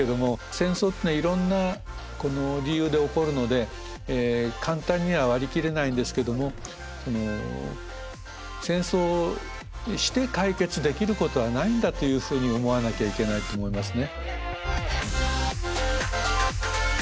戦争っていうのはいろんな理由で起こるので簡単には割り切れないんですけども戦争をして解決できることはないんだというふうに思わなきゃいけないと思いますね。